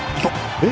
えっ？